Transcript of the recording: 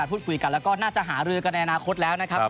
พูดคุยกันแล้วก็น่าจะหารือกันในอนาคตแล้วนะครับ